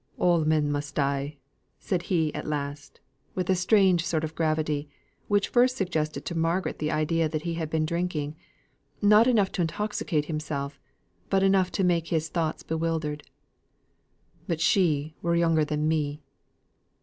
"All men must die," said he at last, with a strange sort of gravity, which first suggested to Margaret the idea that he had been drinking not enough to intoxicate himself, but enough to make his thoughts bewildered. "But she were younger than me."